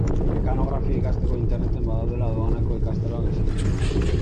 Mekanografia ikasteko Interneten badaudela doaneko ikastaroak esan digu.